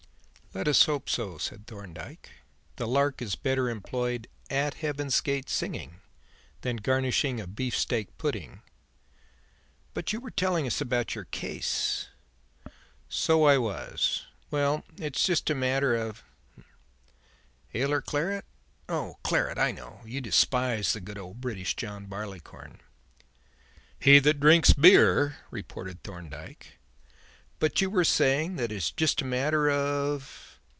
"Let us hope so," said Thorndyke. "The lark is better employed 'at Heaven's gate singing' than garnishing a beef steak pudding. But you were telling us about your case." "So I was. Well it's just a matter of ale or claret? Oh, claret, I know. You despise the good old British John Barleycorn." "He that drinks beer thinks beer," retorted Thorndyke. "But you were saying that it is just a matter of